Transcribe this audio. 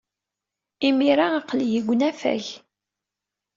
Imir-a aql-iyi deg unafag.